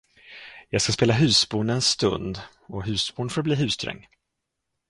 Jag ska spela husbond en stund, och husbond får bli husdräng.